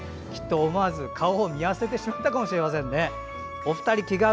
きっと思わず顔を見あわてしまったかもしれません。